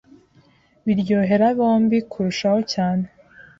biryohera bombi kurushaho cyane